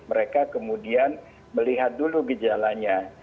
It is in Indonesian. mereka kemudian melihat dulu gejalanya